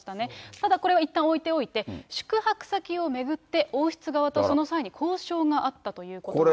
ただこれはいったん置いておいて、宿泊先を巡って王室側とその際に交渉があったということなんです。